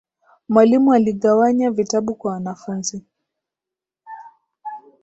Mwalimu aligawanya vitabu kwa wanafunzi